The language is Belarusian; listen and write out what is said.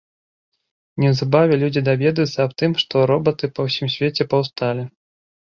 Неўзабаве людзі даведваюцца аб тым, што робаты па ўсім свеце паўсталі.